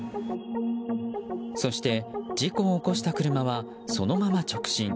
そして、事故を起こした車はそのまま直進。